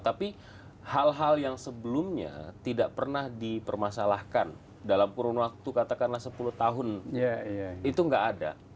tapi hal hal yang sebelumnya tidak pernah dipermasalahkan dalam kurun waktu katakanlah sepuluh tahun itu tidak ada